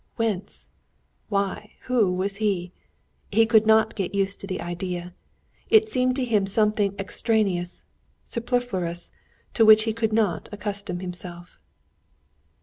Whence, why, who was he?... He could not get used to the idea. It seemed to him something extraneous, superfluous, to which he could not accustom himself.